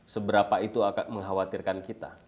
seberapa itu akan mengkhawatirkan kita